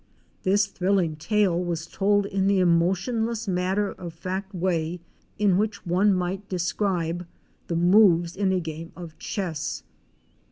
This thrilling tale was told in the emotionless matter of fact way in which one might describe the moves in a game of chess.